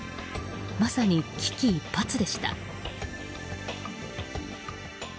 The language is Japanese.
まさに危機一髪でした。